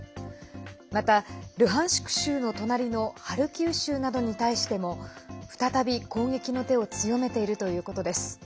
また、ルハンシク州の隣のハルキウ州などに対しても再び、攻撃の手を強めているということです。